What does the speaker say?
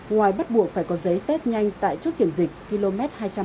ngoài bắt buộc phải có giấy test nhanh tại chốt kiểm dịch km hai trăm ba mươi